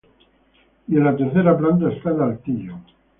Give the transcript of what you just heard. Y en la tercera planta está el altillo.